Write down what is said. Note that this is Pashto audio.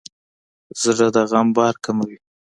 زړه د غم بار کموي.